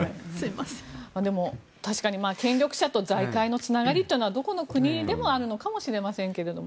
でも、権力者と財界のつながりというのはどこの国でもあるのかもしれませんけれども。